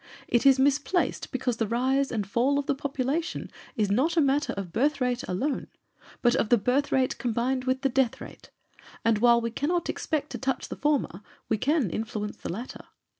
It is misplaced because the rise and fall of the population is not a matter of birth rate alone, but of the birth rate combined with the death rate, and while we cannot expect to touch the former we can influence the latter.